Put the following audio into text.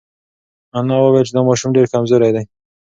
انا وویل چې دا ماشوم ډېر کمزوری دی.